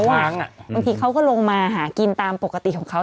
บางทีเขาก็ลงมาหากินตามปกติของเขา